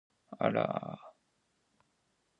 Hax hoosi hizcap panaal ih cömapii.